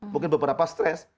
mungkin beberapa stress